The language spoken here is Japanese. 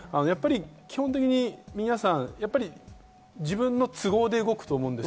基本的に皆さん自分の都合で動くと思うんです。